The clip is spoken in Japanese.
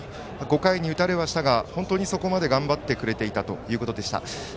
５回に打たれはしたが本当にそこまで頑張ってくれていたということでした。